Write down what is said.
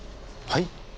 はい？